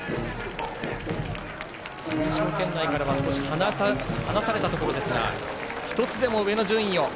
入賞圏内からは少し離されたところでしたが１つでも上の順位を。